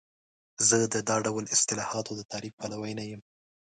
زه د دا ډول اصطلاحاتو د تعریف پلوی نه یم.